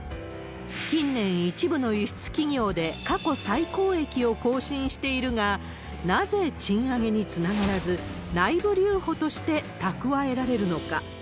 近年、一部の輸出企業で過去最高益を更新しているが、なぜ賃上げにつながらず、内部留保として蓄えられるのか。